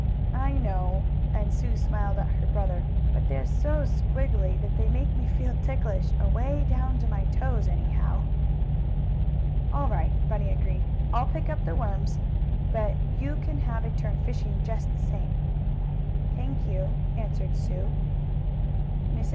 "I know," and Sue smiled at her brother, "but they are so squiggily that they make me feel ticklish away down to my toes, anyhow." "All right," Bunny agreed. "I'll pick up the worms, but you can have a turn fishing just the same." "Thank you," answered Sue. Mrs.